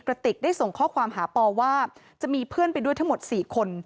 กระติกได้ส่งข้อความหาปอว่าจะมีเพื่อนไปด้วยทั้งหมด๔คน